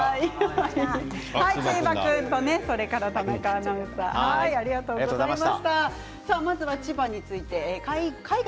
チーバくんと田中アナウンサーありがとうございます。